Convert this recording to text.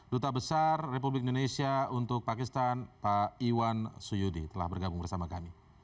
duta besar republik indonesia untuk pakistan pak iwan suyudi telah bergabung bersama kami